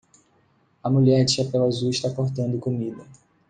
A mulher de chapéu azul está cortando comida